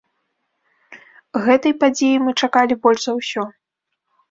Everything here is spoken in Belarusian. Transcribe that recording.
Гэтай падзеі мы чакалі больш за ўсё.